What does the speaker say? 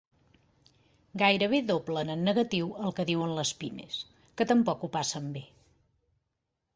Gairebé doblen en negatiu el que diuen les pimes, que tampoc ho passen bé.